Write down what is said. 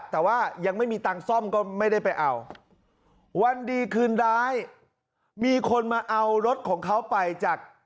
แต่ว่ายังไม่มีตังค์ซ่อมก็ไม่ได้ไปเอาวันดีคืนร้ายมีคนมาเอารถของเขาไปจาก